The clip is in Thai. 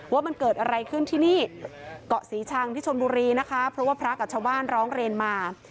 ว่ามันเกิดอะไรขึ้นที่นี่เกาะศรีชังที่ชนบุรีนะคะเพราะว่าพระกับชาวบ้านร้องเรียนมา